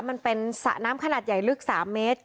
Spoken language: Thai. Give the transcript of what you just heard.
มันเป็นสระน้ำขนาดใหญ่ลึก๓เมตร